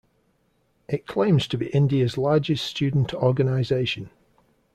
It claims to be India's largest student organisation.